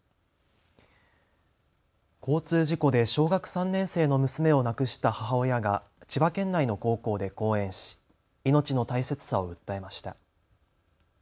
交通事故で小学３年生の娘を亡くした母親が千葉県内の高校で講演し命の大切さを訴えました。